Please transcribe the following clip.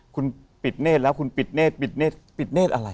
คุณปิดเนธแล้วคุณปิดเนธปิดเนธปิดเนธอะไร